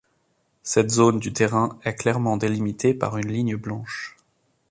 Cette zone du terrain est clairement délimitée par une ligne blanche.